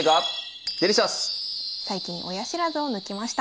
最近親知らずを抜きました。